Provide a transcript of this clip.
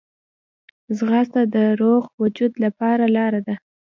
ځغاسته د روغ وجود لپاره لاره ده